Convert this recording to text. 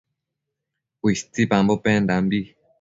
Cuishchipambo pendambi